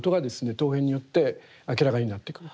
陶片によって明らかになってくると。